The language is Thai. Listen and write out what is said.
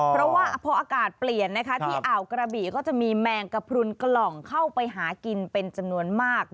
เพราะว่าพออากาศเปลี่ยนนะคะที่อ่าวกระบี่ก็จะมีแมงกระพรุนกล่องเข้าไปหากินเป็นจำนวนมาก